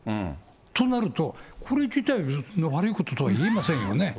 となると、これ自体、悪いこととは言えませんよね。